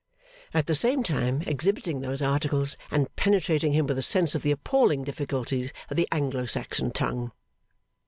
At the same time exhibiting those articles, and penetrating him with a sense of the appalling difficulties of the Anglo Saxon tongue.